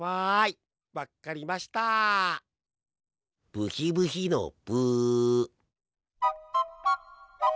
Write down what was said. ブヒブヒのブ。